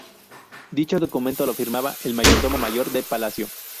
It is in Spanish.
Dicho documento lo firmaba el mayordomo mayor de Palacio.